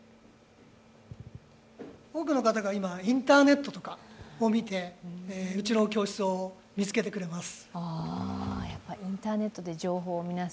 多くの方が今、インターネットとかを見てうちの教室を見つけてくれます。